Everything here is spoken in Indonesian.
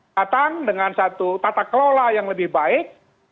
datang dengan satu tata kelola yang lebih baik